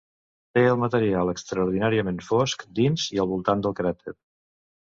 Té el material extraordinàriament fosc dins i al voltant del cràter.